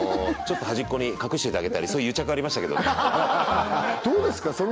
ちょっと端っこに隠しておいてあげたりそういう癒着はありましたけどねどうですか？